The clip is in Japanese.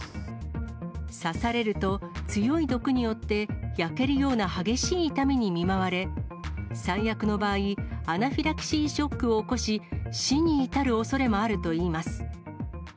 刺されると強い毒によって焼けるような激しい痛みに見舞われ、最悪の場合、アナフィラキシーショックを起こし、死に至るおそれもあるといいます。